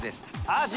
アジ。